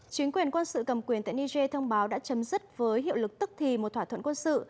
chính quyền quân sự cầm quyền tại niger thông báo đã chấm dứt với hiệu lực tức thì một thỏa thuận quân sự